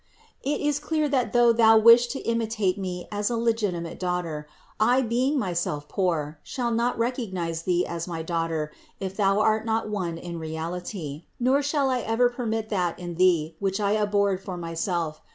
690. It is clear that though thou wish to imitate me as a legitimate daughter, I, being myself poor, shall not recognize thee as my daughter if thou art not one in reality, nor shall I ever permit that in thee which I ab horred for myself.